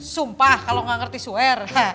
sumpah kalau gak ngerti swear